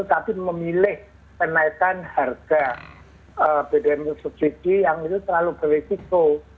tapi memilih kenaikan harga bbm subsidi yang itu terlalu beresiko